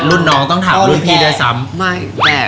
รุ่นน้องต้องถามรุ่นพี่ด้วยซ้ำ